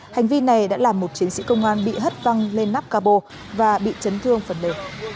hành vi này đã làm một chiến sĩ công an bị hất văng lên nắp cà bồ và bị chấn thương phần lệ